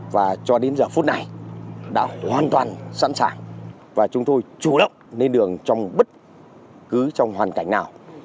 và cho đến giờ phút này đảo hoàn toàn sẵn sàng và chúng tôi chủ động lên đường trong bất cứ trong hoàn cảnh nào